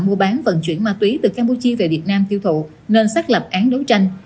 mua bán vận chuyển ma túy từ campuchia về việt nam tiêu thụ nên xác lập án đấu tranh